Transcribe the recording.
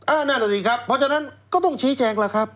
นั่นแหละสิครับเพราะฉะนั้นก็ต้องชี้แจงแล้วครับ